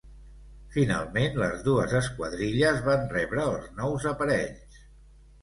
Finalment les dues esquadrilles van rebre els nous aparells.